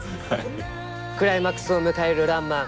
クライマックスを迎える「らんまん」。